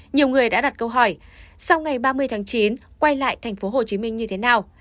nhiều người đã đặt câu hỏi sau ngày ba mươi tháng chín quay lại tp hcm như thế nào